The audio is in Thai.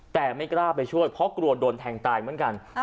แต่ไม่กล้าไปช่วยเพราะกลัวโดนแทงตายเหมือนกัน